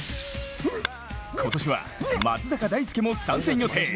今年は松坂大輔も参戦予定。